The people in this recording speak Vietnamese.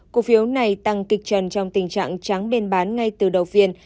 cổ phiếu này tăng kịch trần trong tình trạng trắng bên bán ngay từ đầu phiên